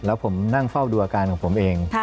แล้วผมนั่งเฝ้าดูอาการของผมเอง